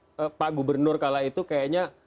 dan kayaknya pak gubernur kala itu kayaknya